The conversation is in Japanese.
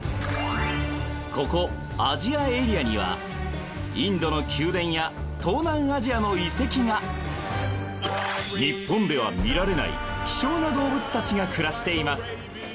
ここアジアエリアにはインドの宮殿や東南アジアの遺跡が日本では見られない希少な動物達が暮らしています